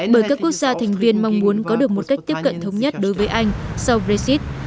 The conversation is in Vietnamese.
bởi các quốc gia thành viên mong muốn có được một cách tiếp cận thống nhất đối với anh sau brexit